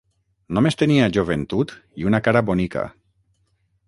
Només tenia joventut i una cara bonica.